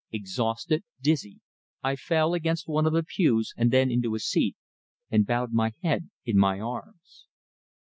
Exhausted, dizzy, I fell against one of the pews, and then into a seat, and bowed my head in my arms.